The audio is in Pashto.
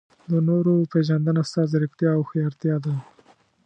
د نورو پېژندنه ستا ځیرکتیا او هوښیارتیا ده.